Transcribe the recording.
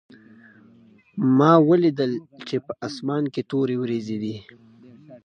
ما ولیدل چې په اسمان کې تورې وریځې دي